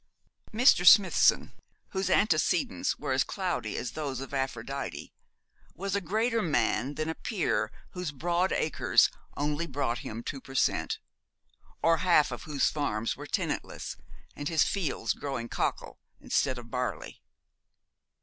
Mr. Smithson, whose antecedents were as cloudy as those of Aphrodite, was a greater man than a peer whose broad acres only brought him two per cent., or half of whose farms were tenantless, and his fields growing cockle instead of barley.